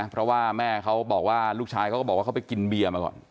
เพราะว่าแม่เขาบอกว่าลูกชายเขาก็บอกว่าเขาไปกินเบียร์มาก่อน